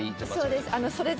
そうです